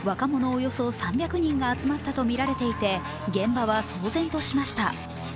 およそ３００人が集まったとみられていて現場は騒然としました。